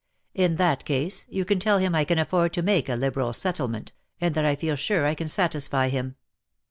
In that case you can tell him I can afford to make a liberal settlement, and that I feel sure I can satisfy him.